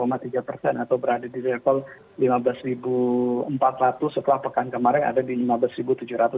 atau berada di level lima belas empat ratus setelah pekan kemarin ada di lima belas tujuh ratus